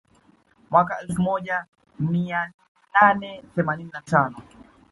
Mwaka wa elfu moja mia nane themanini na tano